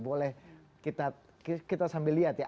boleh kita sambil lihat ya